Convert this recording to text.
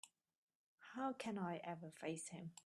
How can I ever face him?